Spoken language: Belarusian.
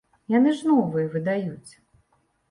Яны ж новыя выдаюць.